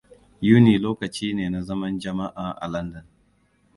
Yuni lokaci ne na zaman jama'a a London.